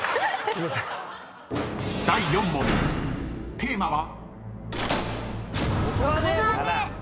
［第４問テーマは］